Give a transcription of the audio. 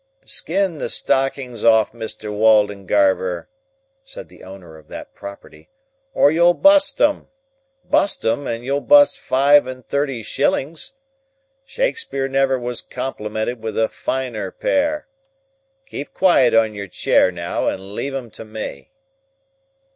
"Skin the stockings off Mr. Waldengarver," said the owner of that property, "or you'll bust 'em. Bust 'em, and you'll bust five and thirty shillings. Shakspeare never was complimented with a finer pair. Keep quiet in your chair now, and leave 'em to me."